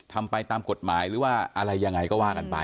ทำไปตามกฎหมายหรือว่าอะไรยังไงก็ว่ากันไป